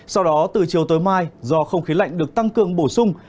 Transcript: sau đó từ chiều tối mai do không khí lạnh được tăng cường bổ sung